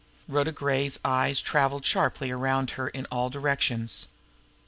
Rhoda Gray's eyes traveled sharply around her in all directions.